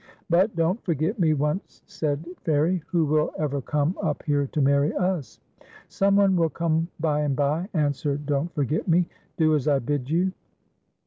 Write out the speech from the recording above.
" But, Don'l Forget Me," once said Fairie, " who will ever come up here to marry us ?"" Some one will come by and by," answered Don't Forgct .Me ; "do as I bid you."